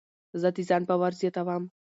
زه د ځان باور زیاتوم.